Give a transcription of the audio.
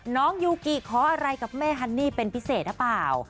น้องยูกิขออะไรกับแม่ฮันนี่เป็นพิเศษหรือเปล่า